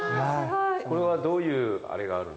これはどういうあれがあるんですか？